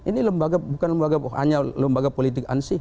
ini lembaga bukan hanya lembaga politik ansih